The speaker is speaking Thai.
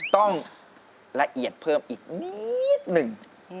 ต้องละเอียดเพิ่มอีกนิดหนึ่ง